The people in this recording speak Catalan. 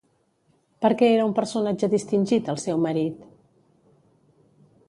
Per què era un personatge distingit, el seu marit?